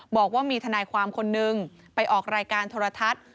บอกว่ามีทนายความคนนึงไปออกรายการโทรทัศน์